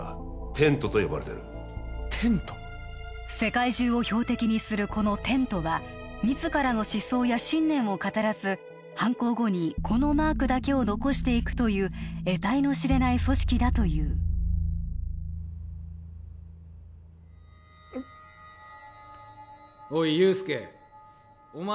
テントと呼ばれてるテント世界中を標的にするこのテントは自らの思想や信念を語らず犯行後にこのマークだけを残していくという得体の知れない組織だといううっおい憂助お前